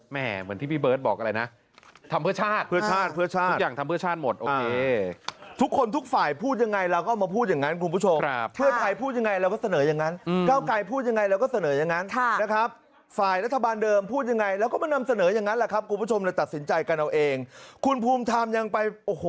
เหมือนที่พี่เบิร์ตบอกอะไรนะทำเพื่อชาติ